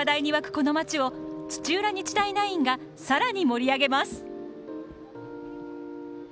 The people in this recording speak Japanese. この街を土浦日大ナインがさらに盛り上げます。